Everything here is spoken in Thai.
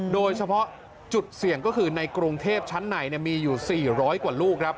โดยเฉพาะจุดเสี่ยงก็คือในกรุงเทพชั้นในมีอยู่๔๐๐กว่าลูกครับ